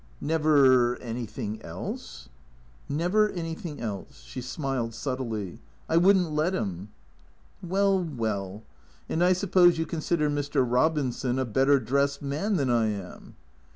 " Never — anything else ?"" Never anything else." She smiled subtly. " I would n't let 'im." " Well, well. And I suppose you consider Mr. Robinson a better dressed man than I am